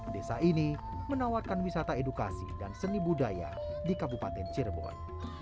desa ini menawarkan wisata edukasi dan seni budaya di kabupaten cirebon